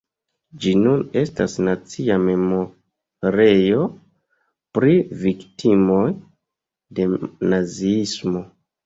Ĝi nun estas nacia memorejo pri viktimoj de naziismo.